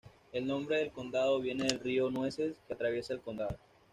El nombre del condado viene del río Nueces, que atraviesa el condado.